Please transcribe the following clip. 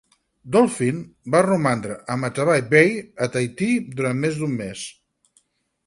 "Dolphin" va romandre a Matavai Bay a Tahiti durant més d"un mes.